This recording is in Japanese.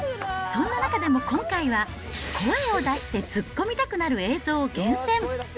そんな中でも今回は、声を出して突っ込みたくなる映像を厳選。